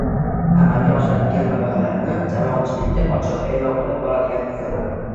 amalga oshiradigan loyihalarini jamoatchilikka ochiq e’lon qilib boradigan tizim